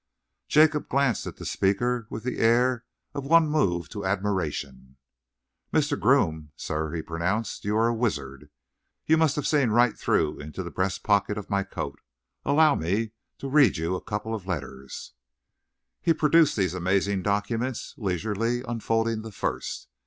Jacob glanced at the speaker with the air of one moved to admiration. "Mr. Groome, sir," he pronounced, "you are a wizard! You must have seen right through into the breast pocket of my coat. Allow me to read you a couple of letters." He produced these amazing documents, leisurely unfolding the first.